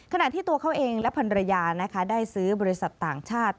ขณะที่ตัวเขาเองและพันรยานะคะได้ซื้อบริษัทต่างชาติ